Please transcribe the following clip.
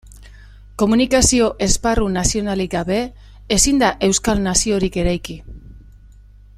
Komunikazio esparru nazionalik gabe, ezin da euskal naziorik eraiki.